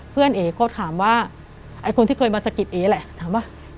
เพื่อนเอ๋ก็ถามว่าคนที่เคยมาสะกิดเอ๋แหละถามว่า